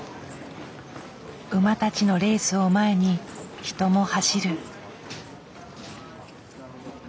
馬たちのレースを前に人も走る。